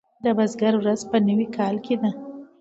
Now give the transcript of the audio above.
د بزګر ورځ په نوي کال کې ده.